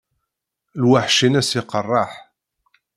Lweḥc-ines iqerreḥ.